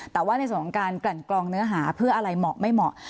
แต่ว่าในส่วนของการกลั่นกลองเนื้อหาเพื่ออะไรเหมาะไม่เหมาะ